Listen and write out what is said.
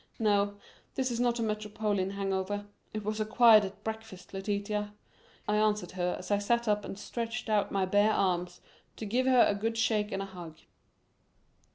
"No, this is not a metropolitan hangover. It was acquired at breakfast, Letitia," I answered her as I sat up and stretched out my bare arms to give her a good shake and a hug.